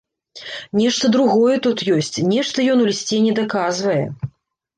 Нешта другое тут ёсць, нешта ён у лісце недаказвае.